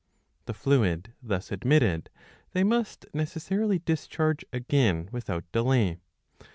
The fluid, thus admitted, they must necessarily discharge again without delay.